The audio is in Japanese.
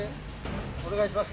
・お願いします